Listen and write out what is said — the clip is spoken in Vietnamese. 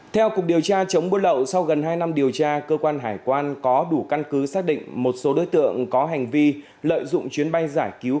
theo cục điều tra chống buôn lậu sau gần hai năm điều tra cơ quan hải quan có đủ căn cứ xác định một số đối tượng có hành vi lợi dụng chuyến bay giải cứu